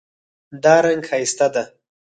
دا رنګ ښایسته ده